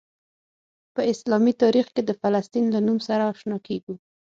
په اسلامي تاریخ کې د فلسطین له نوم سره آشنا کیږو.